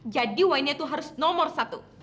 jadi winenya tuh harus nomor satu